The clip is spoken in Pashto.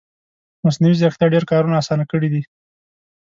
مصنوعي ځیرکتیا ډېر کارونه اسانه کړي دي